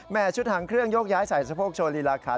ชุดหางเครื่องยกย้ายใส่สะโพกโชว์ลีลาขา